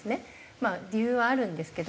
まあ理由はあるんですけど。